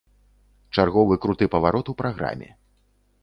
Чарговы круты паварот у праграме.